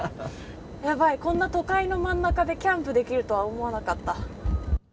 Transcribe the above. こんな都会の真ん中でキャンプできるとは思わなかった。